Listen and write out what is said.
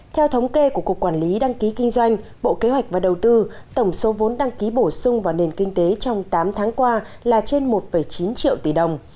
theo thống kê của cục quản lý đăng ký kinh doanh bộ kế hoạch và đầu tư tổng số vốn đăng ký bổ sung vào nền kinh tế trong tám tháng qua là trên một chín triệu tỷ đồng